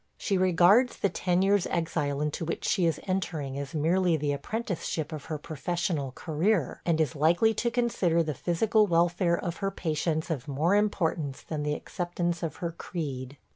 She regards the ten years' exile into which she is entering as merely the apprenticeship of her professional career, and is likely to consider the physical welfare of her patients of more importance than the acceptance of her creed.